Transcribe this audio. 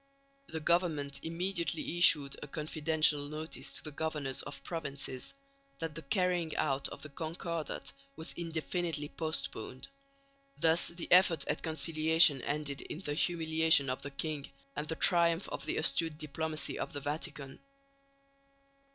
The government immediately issued a confidential notice to the governors of provinces, that the carrying out of the Concordat was indefinitely postponed. Thus the effort at conciliation ended in the humiliation of the king, and the triumph of the astute diplomacy of the Vatican.